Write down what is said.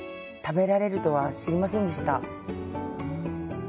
食べられるとは知りませんでした。